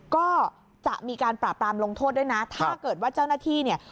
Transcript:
ก็จะมีการปราบปรามลงโทษด้วยนะถ้าเกิดว่าเจ้าหน้าที่เนี่ย